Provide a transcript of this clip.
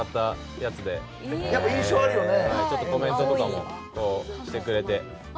皆さんコメントとかもしてくれて。